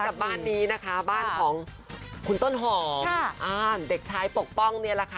กับบ้านนี้นะคะบ้านของคุณต้นหอมเด็กชายปกป้องเนี่ยแหละค่ะ